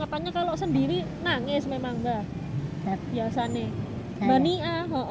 katanya kalau sendiri nangis memang gak